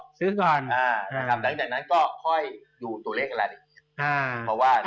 หลังจากนั้นก็ค่อยอยู่ตัวเลขกันแล้วอีก